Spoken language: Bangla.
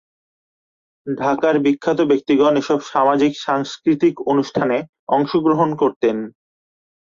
ঢাকার বিখ্যাত ব্যক্তিগণ এসব সামাজিক সাংস্কৃতিক অনুষ্ঠানে অংশগ্রহণ করতেন।